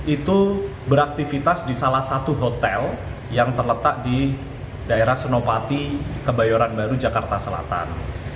itu beraktivitas di salah satu hotel yang terletak di daerah senopati kebayoran baru jakarta selatan